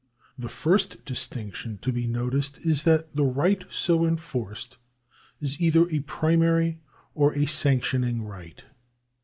The first distinction to be noticed is that the right so enforced is either a Primary or a Sanctioning right.